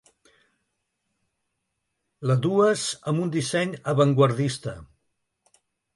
La dues amb un disseny avantguardista.